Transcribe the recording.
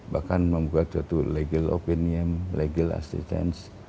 bahkan membuat suatu legal opinion legal assistance